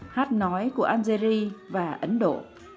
hát nói của algeri và ấn độ